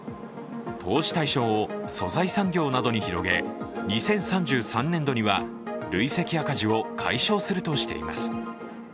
投資対象を素材産業などに広げ累積赤字を解消するとしています。